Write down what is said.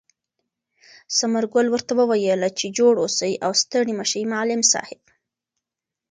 ثمر ګل ورته وویل چې جوړ اوسې او ستړی مه شې معلم صاحب.